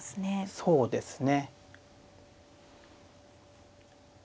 そうですね